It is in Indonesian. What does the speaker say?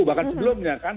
bahkan sebelumnya kan